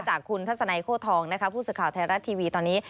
จากคุณทัศนัยโค้ทองนะคะผู้สื่อข่าวไทยรัฐทีวีตอนนี้